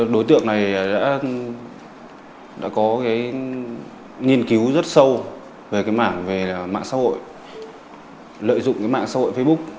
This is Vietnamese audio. đối tượng này đã có nghiên cứu rất sâu về mạng xã hội lợi dụng mạng xã hội facebook